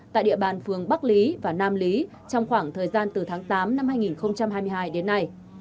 tại địa bàn phường bắc lý và nam lý trong khoảng thời gian từ tháng tám năm hai nghìn hai mươi hai đến nay